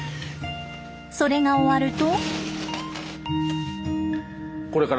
それが終わると。